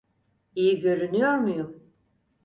İyi görünüyor muyum?